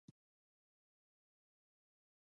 تعقیب د کار پایله تضمینوي